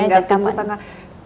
tinggal tunggu tanggal